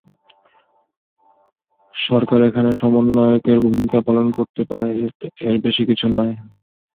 সরকার এখানে সমন্বয়কের ভূমিকা পালন করতে পারে, এর বেশি কিছু নয়।